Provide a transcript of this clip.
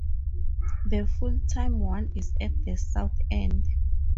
The full-time one is at the south end.